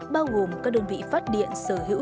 bao gồm các đơn vị phát điện sở hữu